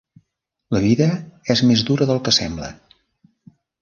La vida és més dura del que sembla.